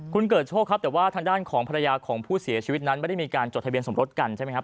คุณเกิดโชคครับแต่ว่าทางด้านของภรรยาของผู้เสียชีวิตนั้นไม่ได้มีการจดทะเบียนสมรสกันใช่ไหมครับ